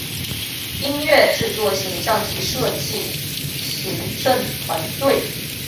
音乐制作形像及设计行政团队